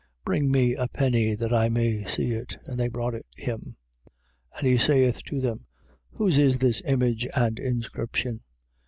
Bring me a penny that I may see it. 12:16. And they brought it him. And he saith to them: Whose is this image and inscription?